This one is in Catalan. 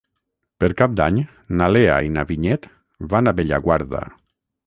Per Cap d'Any na Lea i na Vinyet van a Bellaguarda.